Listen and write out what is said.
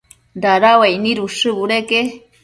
dada uaic nid ushë budeque